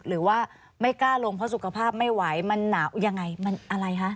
หรือว่าไม่กล้าลงเพราะสุขภาพไม่ไหวมันหนาวยังไงมันอะไรคะ